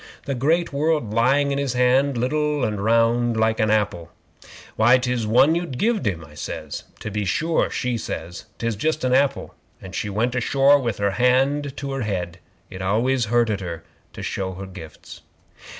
The great world lying in his hand, liddle and round like a apple." '"Why, 'tis one you gived him," I says. '"To be sure," she says. "'Tis just a apple," and she went ashore with her hand to her head. It always hurted her to show her gifts.